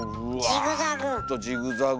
ジグザグ！